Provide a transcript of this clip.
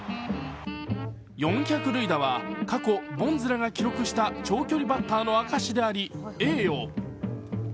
四百塁打は過去ボンズらが記録した長距離バッターの証しであり栄誉。